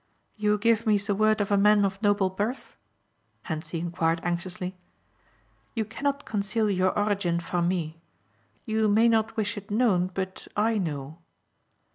"You give me the word of a man of noble birth?" Hentzi inquired anxiously. "You cannot conceal your origin from me. You may not wish it known but I know."